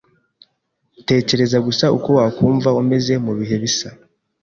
Tekereza gusa uko wakumva umeze mubihe bisa.